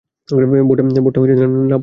বোর্ডটা না পড়তে পারছি না।